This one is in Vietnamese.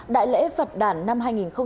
đại lễ phật đàn năm hai nghìn một mươi chín